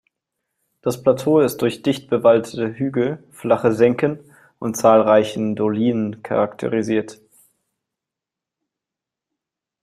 Das Plateau ist durch dicht bewaldete Hügel, flache Senken und zahlreichen Dolinen charakterisiert.